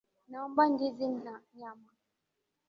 Naomba ndizi na nyama.